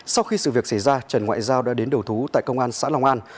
sau khi sự việc xảy ra trần ngoại giao đã đến đầu thú tại công an xã long an